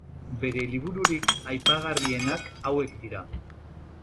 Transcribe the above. Bere libururik aipagarrienak hauek dira.